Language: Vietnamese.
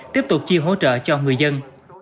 tiếp tục chi hỗ trợ cho người dân